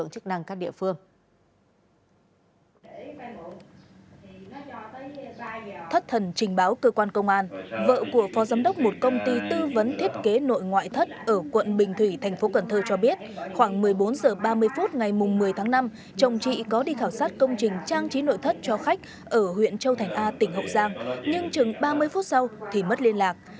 trình báo cơ quan công an vợ của phó giám đốc một công ty tư vấn thiết kế nội ngoại thất ở quận bình thủy tp cn cho biết khoảng một mươi bốn h ba mươi phút ngày một mươi tháng năm chồng chị có đi khảo sát công trình trang trí nội thất cho khách ở huyện châu thành a tỉnh hậu giang nhưng chừng ba mươi phút sau thì mất liên lạc